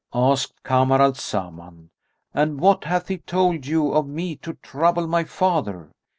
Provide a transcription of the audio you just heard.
Asked Kamar al Zaman, "And what hath he told you of me to trouble my father?